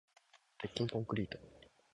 鉄筋コンクリート